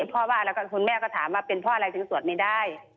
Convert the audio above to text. พ่อว่าแล้วก็คุณแม่ก็ถามว่าเป็นเพราะอะไรถึงสวดไม่ได้